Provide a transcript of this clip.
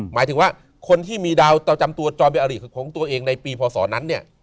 หมายถึงว่าคนที่มีดาวประจำตัวจรเป็นอริของตัวเองในปีพศนั้นเนี่ย